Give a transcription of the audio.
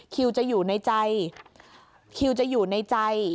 คิวจะอยู่ในใจ